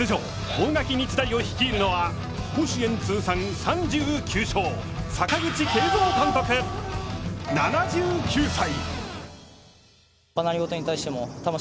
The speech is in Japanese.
大垣日大を率いるのは甲子園通算３９勝阪口慶三監督、７９歳。